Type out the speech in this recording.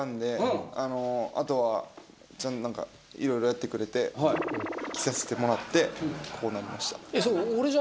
あとは色々やってくれて着させてもらってこうなりました。